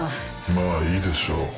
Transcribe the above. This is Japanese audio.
まぁいいでしょう。